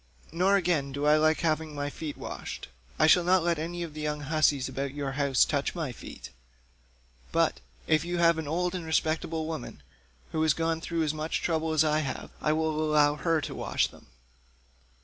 Nor, again, do I like having my feet washed; I shall not let any of the young hussies about your house touch my feet; but, if you have any old and respectable woman who has gone through as much trouble as I have, I will allow her to wash them."